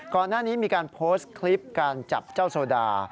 ก่อนหน้านี้มีการโพสต์คลิปการจับเจ้าโซดา